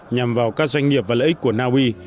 nhằm vào các doanh nghiệp và lợi ích của na uy